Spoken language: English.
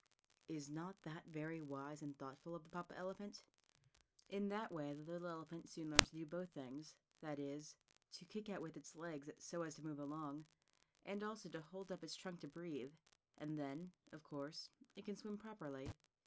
Is not that very wise and thoughtful of the Papa elephant? In that way the little elephant soon learns to do both things that is, to kick out with its legs so as to move along, and also to hold up its trunk to breathe. And then, of course, it can swim properly.